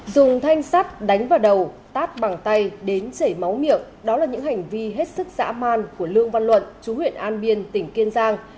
dùng thanh sắt đánh vào đầu tát bằng tay đến chảy máu miệng đó là những hành vi hết sức dã man của lương văn luận chú huyện an biên tỉnh kiên giang